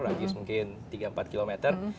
radius mungkin tiga empat kilometer